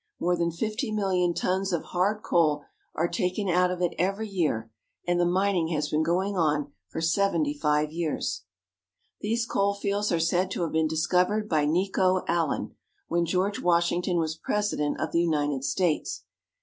More than fifty million tons of hard coal are taken out of it every year, and the mining has been going on for seventy five years. ANTHRACITE COAL. 213 These coal fields are said to have been discovered by Nicho Allen, when George Washington was President of the United States.